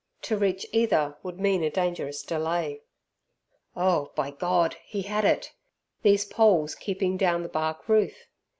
To reach either would mean a dangerous delay. Oh, by God, he had it! These poles keeping down the bark roof.